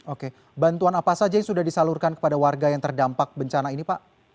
oke bantuan apa saja yang sudah disalurkan kepada warga yang terdampak bencana ini pak